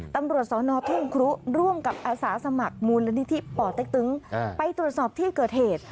ตำรวจสอนอทุ่งครุร่วมกับอาสาสมัครมูลนิธิป่อเต็กตึงไปตรวจสอบที่เกิดเหตุ